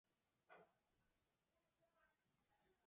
好撒玛利亚人医院是美国首五所主要中风中心之一。